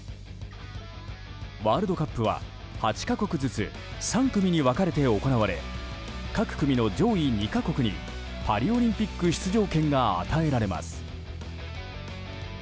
ワールドカップは８か国ずつ３組に分かれて行われ各組の上位２か国にパリオリンピック出場権が与えられます。